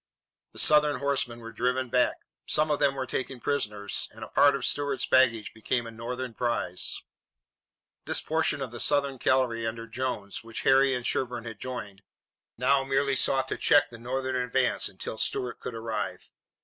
The Southern horsemen were driven back. Some of them were taken prisoners and a part of Stuart's baggage became a Northern prize. This portion of the Southern cavalry under Jones, which Harry and Sherburne had joined, now merely sought to check the Northern advance until Stuart could arrive.